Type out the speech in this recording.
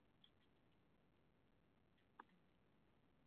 新能源电力系统国家重点实验室简介